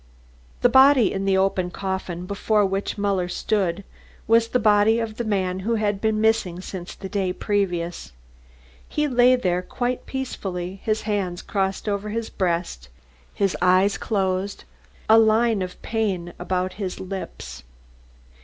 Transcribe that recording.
The body in the open coffin before which Muller stood was the body of the man who had been missing since the day previous. He lay there quite peacefully, his hands crossed over his breast, his eyes closed, a line of pain about his lips.